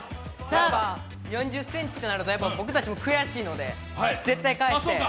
４０ｃｍとなると僕たちも悔しいので、絶対返して。